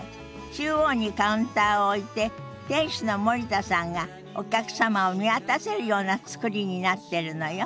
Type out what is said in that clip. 中央にカウンターを置いて店主の森田さんがお客様を見渡せるような造りになってるのよ。